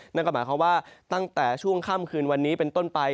นั่นก็หมายความว่าตั้งแต่ช่วงค่ำคืนวันนี้เป็นต้นไป